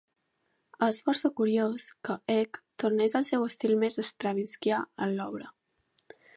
És força curiós que Egk tornés al seu estil més Stravinskià en la obra.